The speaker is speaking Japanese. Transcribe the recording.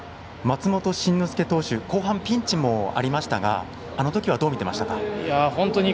松本慎之介投手後半、ピンチもありましたがあのときはどう見ていましたか？